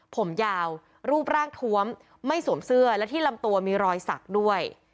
ผมยาวรูปร่างทวมไม่สวมเสื้อและที่ลำตัวมีรอยสักด้วย